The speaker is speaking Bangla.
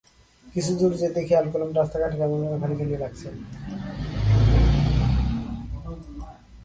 কিছু দূর যেতেই খেয়াল করলাম রাস্তাঘাট কেমন যেন খালি খালি লাগছে।